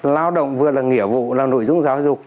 lao động vừa là nghĩa vụ là nội dung giáo dục